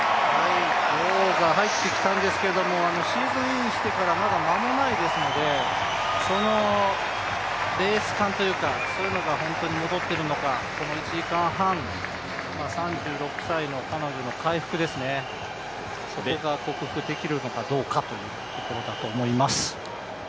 女王が入ってきたんですけれども、シーズンインしてからまだ間もないですので、レース勘というかそういうのが本当に戻っているのか、この１時間半３６歳の彼女の回復ですね、そこが克服できるかどうかだと思います。